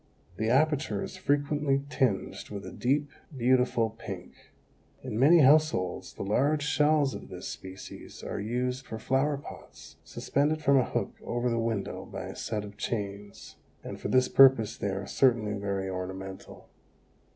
The aperture is frequently tinged with a deep, beautiful pink. In many households the large shells of this species are used for flower pots, suspended from a hook over the window by a set of chains, and for this purpose they are certainly very ornamental.